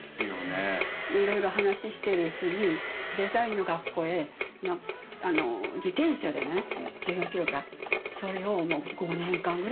いろいろ話してるうちにデザインの学校へ自転車でね１４ｋｍぐらいそれをもう５年間ぐらい通ったって。